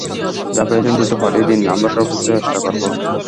যা পেয়েছেন দ্রুত পাঠিয়ে দিন, আমরা সর্বোচ্চ চেষ্টা করব!